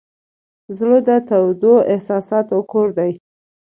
زړه د تودو احساساتو کور دی.